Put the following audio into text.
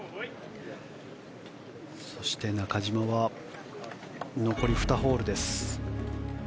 そして中島は残り２ホールです。